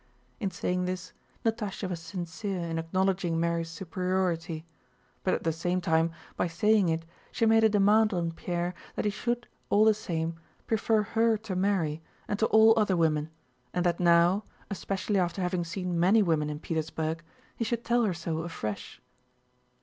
In saying this Natásha was sincere in acknowledging Mary's superiority, but at the same time by saying it she made a demand on Pierre that he should, all the same, prefer her to Mary and to all other women, and that now, especially after having seen many women in Petersburg, he should tell her so afresh.